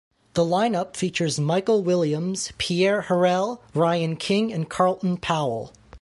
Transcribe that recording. The line-up features Michael Williams, Pierre Herelle, Ryan King and Carlton Powell.